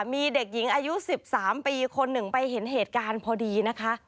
มีเด็กหญิงอายุ๑๓ปีคนหนึ่งไปเห็นเหตุการณ์พอดีนะคะ